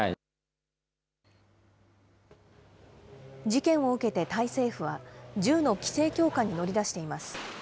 事件を受けてタイ政府は、銃の規制強化に乗り出しています。